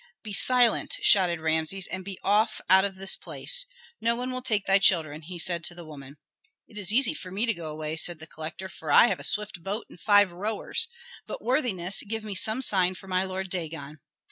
"Be silent," shouted Rameses, "and be off out of this place! No one will take thy children," said he to the woman. "It is easy for me to go away," said the collector, "for I have a swift boat and five rowers. But, worthiness, give me some sign for my lord Dagon."